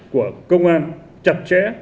của công an chặt chẽ